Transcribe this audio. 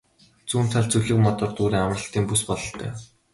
Зүүн талд зүлэг модоор дүүрэн амралтын бүс бололтой.